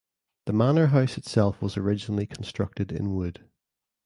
The manor house itself was originally constructed in wood.